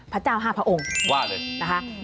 พระเจ้าห้าพระองค์ว่าอะไร